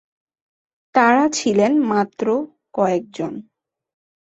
তারা ছিলেন মাত্র কয়েকজন।